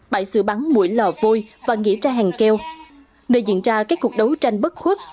bãi sử bắn mũi lò vôi và nghĩa trang hàng keo nơi diễn ra các cuộc đấu tranh bất khuất